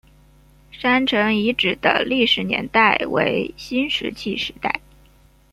山城遗址的历史年代为新石器时代。